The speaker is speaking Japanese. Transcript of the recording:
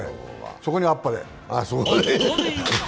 そこにあっぱれ。